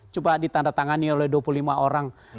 coba ditandatangani oleh dua puluh lima orang